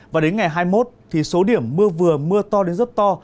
và đến ngày hai mươi một thì số điểm mưa vừa mưa to đến rất to